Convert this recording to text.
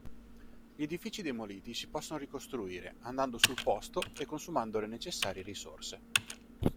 Gli edifici demoliti si possono ricostruire, andando sul posto e consumando le necessarie risorse.